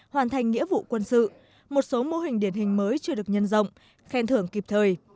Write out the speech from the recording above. hoàn thành nghĩa vụ quân sự một số mô hình điển hình mới chưa được nhân rộng khen thưởng kịp thời